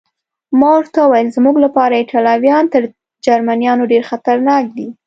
ما ورته وویل: زموږ لپاره ایټالویان تر جرمنیانو ډېر خطرناک دي.